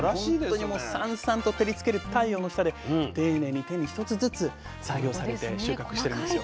本当にもうさんさんと照りつける太陽の下で丁寧に丁寧に一つずつ作業されて収穫してるんですよ。